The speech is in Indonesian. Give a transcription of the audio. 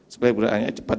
supaya kecepatannya cepat